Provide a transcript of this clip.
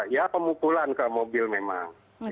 ya pemukulan ke mobil memang